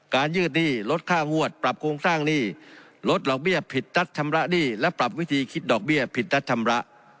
ยืดหนี้ลดค่างวดปรับโครงสร้างหนี้ลดดอกเบี้ยผิดนัดชำระหนี้และปรับวิธีคิดดอกเบี้ยผิดนัดชำระ